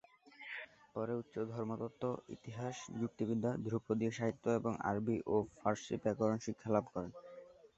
পরে উচ্চ ধর্মতত্ত্ব, ইতিহাস, যুক্তিবিদ্যা, ধ্রুপদী সাহিত্য এবং আরবি ও ফার্সি ব্যাকরণ শিক্ষা লাভ করেন।